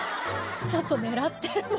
「ちょっと狙ってるもん。